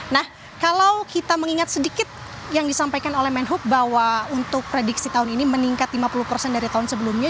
nah kalau kita mengingat sedikit yang disampaikan oleh menhub bahwa untuk prediksi tahun ini meningkat lima puluh persen dari tahun sebelumnya